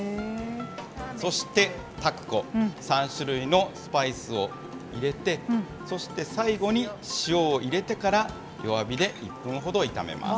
そしてタクコ、３種類のスパイスを入れて、そして最後に塩を入れてから、弱火で１分ほど炒めます。